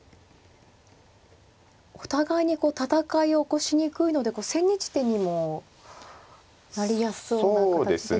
お互いにこう戦いを起こしにくいので千日手にもなりやすそうな形ですよね。